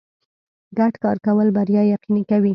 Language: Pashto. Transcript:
ګډ کار کول بریا یقیني کوي.